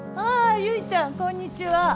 ああ結ちゃんこんにちは。